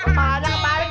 apaan nakuannya dikegit